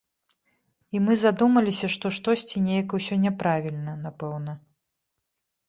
І мы задумаліся, што штосьці неяк усё няправільна, напэўна.